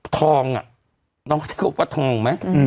ทองอ่ะน้องพระเจ้าเรียกว่าทองไหม